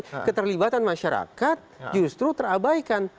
jadi keterlibatan masyarakat justru terabaikan